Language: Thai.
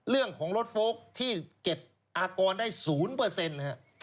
เรื่องของรถโฟลกที่เก็บอากรได้๐นะครับ